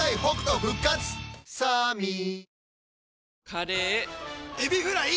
カレーエビフライ！